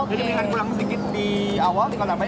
jadi mendingan kurang sedikit di awal tinggal tambahin